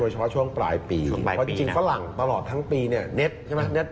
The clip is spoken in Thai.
ใช่ช่วงปลายปีเพราะจริงฝรั่งตลอดทั้งปีเน็ต